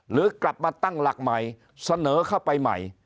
หรือกลับมาตั้งหลักใหม่เสนอเข้าไปใหม่